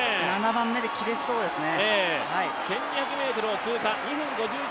７番目で切れそうですね。